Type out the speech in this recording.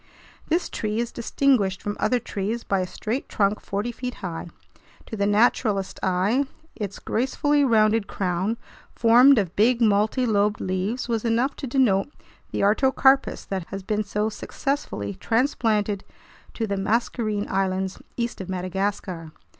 This tree is distinguished from other trees by a straight trunk forty feet high. To the naturalist's eye, its gracefully rounded crown, formed of big multilobed leaves, was enough to denote the artocarpus that has been so successfully transplanted to the Mascarene Islands east of Madagascar.